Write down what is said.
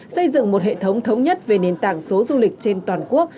xây dựng một hệ thống thống nhất về nền tảng số du lịch trên toàn quốc